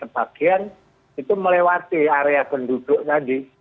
bagian itu melewati area penduduk tadi